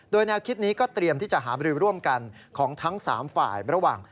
โดยแนวคิดนี้ก็เตรียมที่จะหาบรือร่วมกันของทั้ง๓ฝ่ายระหว่าง